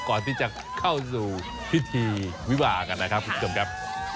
ก่อนที่จะเข้าสู่พิธีวิวากันนะครับคุณผู้ชมครับ